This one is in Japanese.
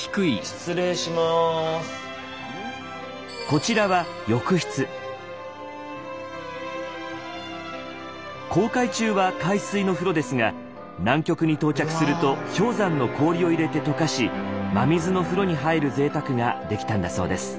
こちらは航海中は海水の風呂ですが南極に到着すると氷山の氷を入れて解かし真水の風呂に入る贅沢ができたんだそうです。